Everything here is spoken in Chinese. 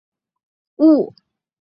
明朝初期政治人物。